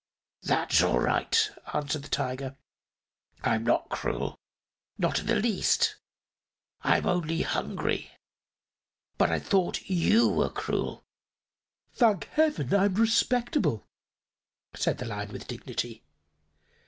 "That's all right," answered the Tiger. "I'm not cruel not in the least I'm only hungry. But I thought you were cruel." "Thank heaven I'm respectable," said the Lion, with dignity.